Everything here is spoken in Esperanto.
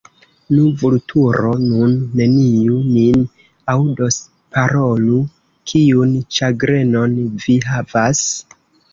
Nu, Vulturo, nun neniu nin aŭdos, parolu: kiun ĉagrenon vi havas?